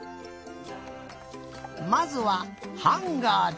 まずはハンガーで。